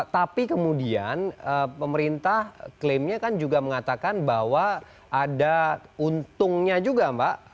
tapi kemudian pemerintah klaimnya kan juga mengatakan bahwa ada untungnya juga mbak